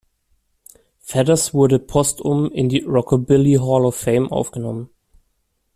Feathers wurde postum in die "Rockabilly Hall of Fame" aufgenommen.